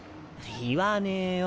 言わねぇよ。